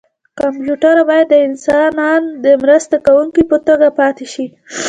کمپیوټر باید د انسان د مرسته کوونکي په توګه پاتې شي.